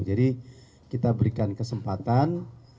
jadi kita berikan kesempatan